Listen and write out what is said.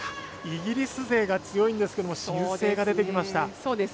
イギリス勢が強いんですけども新星が出てきました。